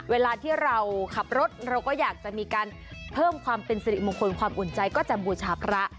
เวลาที่เราขับรถเราก็อยากจะมีการเพิ่มความเป็นสิริมงคลความอุ่นใจก็จะบูชาพระ